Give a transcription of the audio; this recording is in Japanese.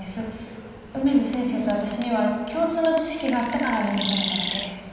梅津先生と私には共通の知識があったから読み取れただけで。